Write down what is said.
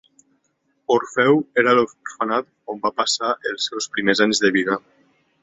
Orfeu era l'orfenat on va passar els seus primers anys de vida.